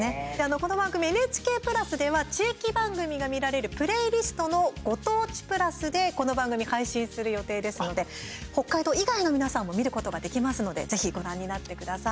この番組、ＮＨＫプラスでは地域番組が見られるプレーリストのご当地プラスでこの番組、配信する予定ですので北海道以外の皆さんも見ることができますのでぜひご覧になってください。